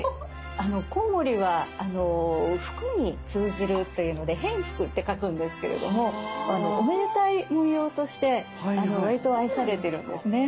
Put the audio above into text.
コウモリは福に通じるというので「蝙蝠」って書くんですけれどもおめでたい模様としてわりと愛されてるんですね。